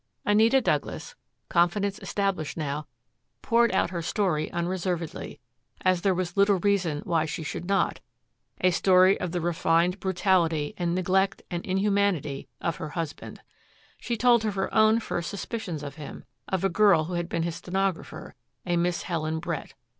Anita Douglas, confidence established now, poured out her story unreservedly, as there was little reason why she should not, a story of the refined brutality and neglect and inhumanity of her husband. She told of her own first suspicions of him, of a girl who had been his stenographer, a Miss Helen Brett.